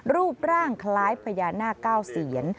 รูปร่างคล้ายพญานาคเก้าเซียน